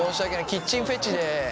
キッチンフェチで。